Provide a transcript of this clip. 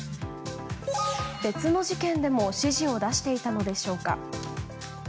別の事件でも指示を出していたのでしょうか。